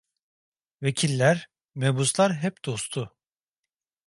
Vekiller, mebuslar hep dostu.